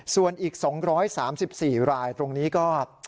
ส่วนอีก๒๓๔รายตรงนี้ก็